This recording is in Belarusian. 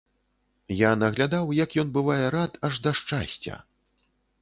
Я наглядаў, як ён бывае рад аж да шчасця.